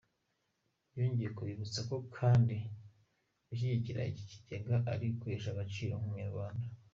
Yongeye kubibutsa ko kandi gushyigikira iki kigega ari ukwihesha agaciro nk’Umunyarwanda.